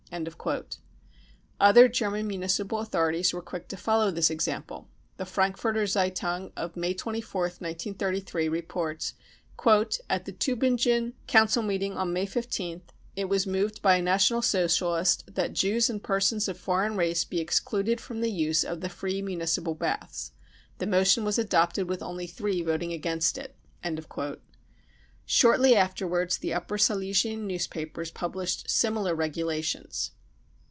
55 Other German municipal authorities were quick to follow this example. The Frankfurter £eitung of May 24th, *933> reports :" At the Tubingen council meeting on May 15th it was moved by a National Socialist that £ Jews and persons of foreign race be excluded from the use of the free municipal baths. 5 The motion was adopted with only three voting against it. 55 Shortly afterwards, the Upper Silesian newspapers published similar regulations.